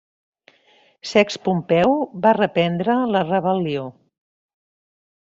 Sext Pompeu va reprendre la rebel·lió.